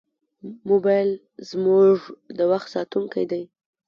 موبایل زموږ د وخت ساتونکی دی.